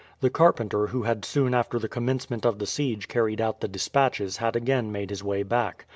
The carpenter who had soon after the commencement of the siege carried out the despatches had again made his way back.